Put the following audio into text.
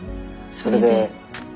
それで。